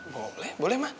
boleh boleh ma